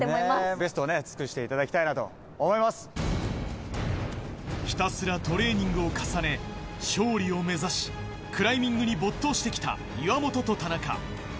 ベストを尽くしていただきたひたすらトレーニングを重ね、勝利を目指し、クライミングに没頭してきた岩本と田中。